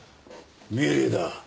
命令だ。